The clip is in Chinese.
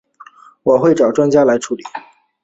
我会找专家来处理